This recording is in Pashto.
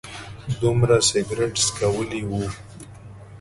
دومره سګرټ څکولي و.